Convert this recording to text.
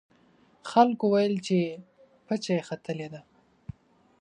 خلکو ویل چې پچه یې ختلې ده.